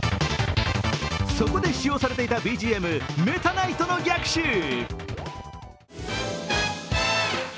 そこで使用されていたＢＧＭ「メタナイトの逆襲」